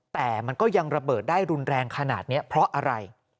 แต่มันก็ยังระเบิดได้รุนแรงขนาดนี้เพราะอะไร